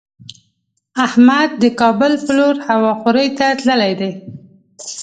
احمد د کابل په لور هوا خورۍ ته تللی دی.